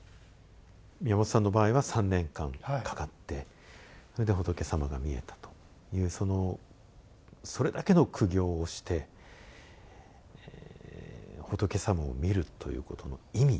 宮本さんの場合は３年間かかってそれで仏様が見えたというそのそれだけの苦行をして仏様を見るということの意味ですね。